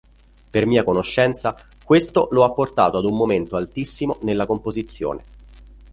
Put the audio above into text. Per mia conoscenza, questo lo ha portato ad un momento altissimo nella composizione.